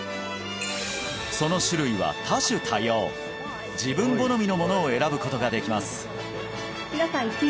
その種類は多種多様自分好みのものを選ぶことができます